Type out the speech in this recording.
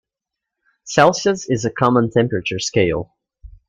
Celsius is a common temperature scale.